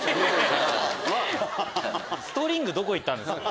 ストリングどこいったんですか？